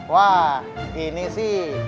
wah ini lu